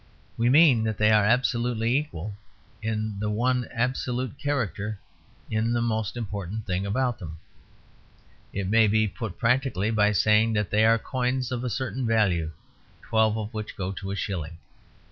We mean that they are absolutely equal in their one absolute character, in the most important thing about them. It may be put practically by saying that they are coins of a certain value, twelve of which go to a shilling.